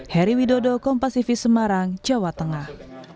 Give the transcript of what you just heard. heri widodo kompasifis semarang jawa tengah